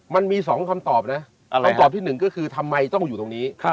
มันมี๒คำตอบนะคำตอบที่หนึ่งก็คือทำไมต้องอยู่ตรงนี้